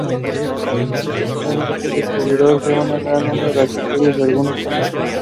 Es el descubridor de un gran número de asteroides y algunos cometas.